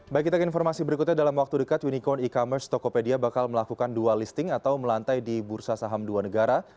baik kita ke informasi berikutnya dalam waktu dekat unicorn e commerce tokopedia bakal melakukan dual listing atau melantai di bursa saham dua negara